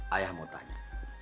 ayah mau tanya